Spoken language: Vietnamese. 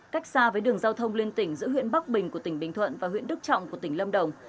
cách xa với đường giao thông liên tỉnh giữa huyện bắc bình của tỉnh bình thuận và huyện đức trọng của tỉnh lâm đồng